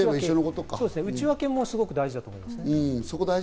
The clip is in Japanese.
内訳も大事だと思います。